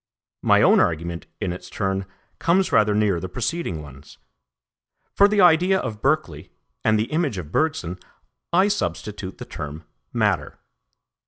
My own argument in its turn comes rather near the preceding ones. For the idea of Berkeley, and the image of Bergson, I substitute the term matter.